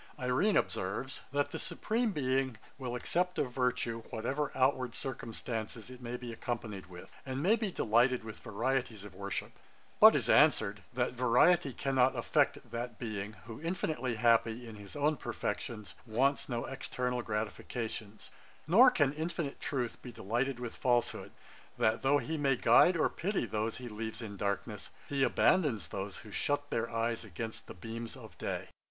IRENE observes, 'That the Supreme Being will accept of virtue, whatever outward circumstances it may be accompanied with, and may be delighted with varieties of worship: but is answered, that variety cannot affect that Being, who, infinitely happy in his own perfections, wants no external gratifications; nor can infinite truth be delighted with falsehood; that though he may guide or pity those he leaves in darkness, he abandons those who shut their eyes against the beams of day.'